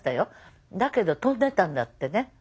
だけど飛んでたんだってね。